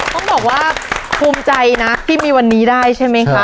ต้องบอกว่าภูมิใจนะที่มีวันนี้ได้ใช่ไหมคะ